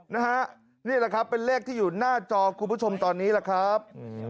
นี่แหละครับเป็นเลขที่อยู่หน้าจอคุณผู้ชมตอนนี้แหละครับ